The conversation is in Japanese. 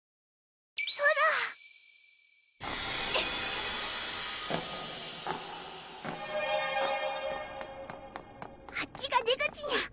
ソラあっちが出口ニャ！